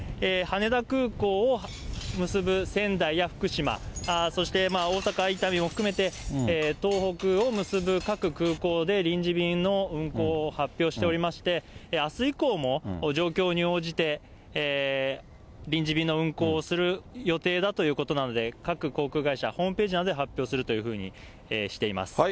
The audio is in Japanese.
羽田空港を結ぶ仙台や福島、そして大阪・伊丹も含めて、東北を結ぶ各空港で臨時便の運航を発表しておりまして、あす以降も状況に応じて、臨時便の運航をする予定だということなので、各航空会社、ホームページなどで発表するというふうにしています。